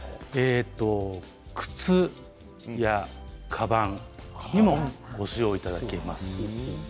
靴やかばんにもご使用いただけます。